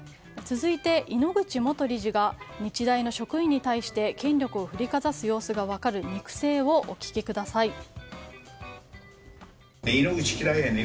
続いて、井ノ口元理事が日大の職員に対して権力を振りかざす様子が分かる肉声をお聞きください。